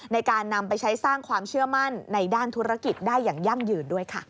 ในการนำไปใช้สร้างความเชื่อมั่นในด้านธุรกิจได้อย่างยั่งยืนด้วยค่ะ